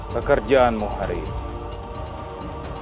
pekerjaanmu hari ini